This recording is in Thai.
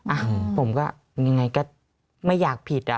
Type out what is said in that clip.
อ่ะผมก็ยังไงก็ไม่อยากผิดอ่ะ